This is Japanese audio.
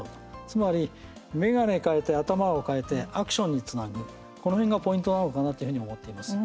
つまり、眼鏡かえて頭を変えてアクションにつなぐこの辺がポイントなのかなというふうに思っています。